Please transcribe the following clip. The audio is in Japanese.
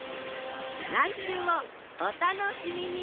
来週もお楽しみに！